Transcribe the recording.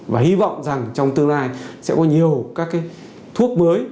và hy vọng rằng trong tương lai sẽ có nhiều các cái thuốc mới